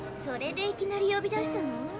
それでいきなり呼び出したの？